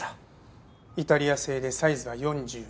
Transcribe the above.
イタリア製でサイズは４２。